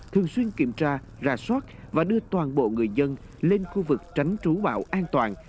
thường xuyên kiểm tra ra soát và đưa toàn bộ người dân lên khu vực tránh trú bão an toàn